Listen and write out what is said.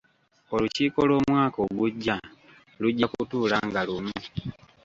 Olukiiko lw'Omwaka ogujja lujja kutuula nga lumu.